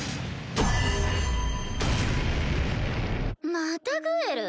またグエル？